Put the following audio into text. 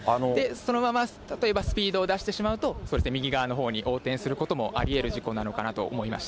そのまま例えばスピードを出してしまうと、そうですね、右側のほうに横転することもありえる事故なのかなと思いました。